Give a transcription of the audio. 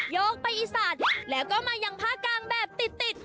ยกไปอีสัตว์แล้วก็มายังพากลางแบบติด